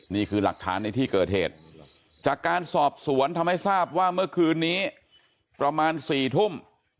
นี่คือหลักฐานในที่เกิดเหตุจากการสอบสวนทำให้ทราบว่าเมื่อคืนนี้ประมาณ๔ทุ่ม